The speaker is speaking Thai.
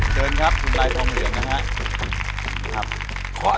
ประดับพูดเสียงถูกนะฮะ